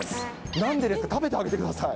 なんでですか、食べてあげてください。